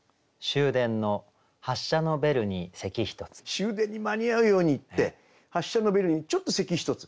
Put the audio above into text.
終電に間に合うように行って発車のベルにちょっと咳一つ。